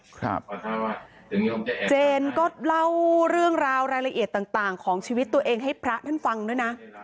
เจนก็เล่าเรื่องราวรายละเอียดต่างของชีวิตตัวเองให้พระท่านฟังด้วยนะ